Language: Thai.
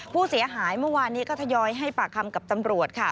ผู้เสียหายเมื่อวานนี้ก็ทยอยให้ปากคำกับตำรวจค่ะ